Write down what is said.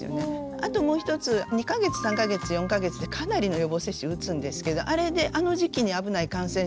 あともう一つ２か月３か月４か月でかなりの予防接種打つんですけどあれであの時期に危ない感染症を抑えてるんですね。